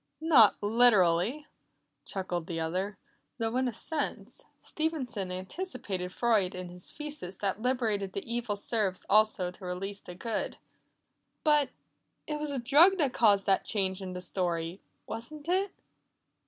"Not literally," chuckled the other, "though in a sense, Stevenson anticipated Freud in his thesis that liberating the evil serves also to release the good." "But It was a drug that caused that change in the story, wasn't it?"